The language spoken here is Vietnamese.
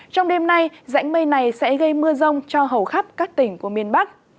trong đêm nay rãnh mây này sẽ gây mưa rông cho hầu khắp các tỉnh của miền bắc